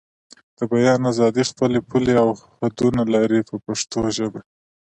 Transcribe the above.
د بیان ازادي خپلې پولې او حدونه لري په پښتو ژبه.